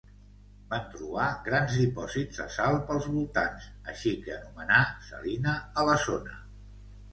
Van trobar grans dipòsits de sal pels voltants així que anomenar "Salina" a la zona.